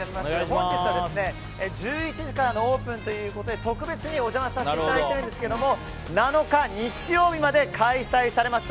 本日は、１１時からのオープンということで特別にお邪魔させていただいているんですけども７日日曜日まで開催されます